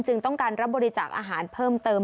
ต้องการรับบริจาคอาหารเพิ่มเติม